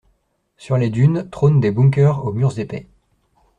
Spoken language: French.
Sur les dunes trônent des bunkers aux murs épais.